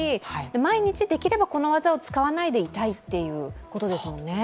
毎日できればこの技を使わないでいたいということですもんね。